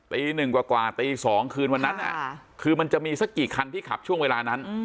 ตีหนึ่งกว่าตี๒คืนวันนั้นคือมันจะมีสักกี่คันที่ขับช่วงเวลานั้น